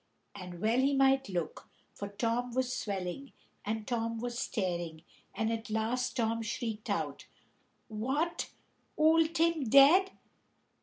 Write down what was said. And well he might look, for Tom was swelling and Tom was staring, and at last Tom shrieked out, "What old Tim dead!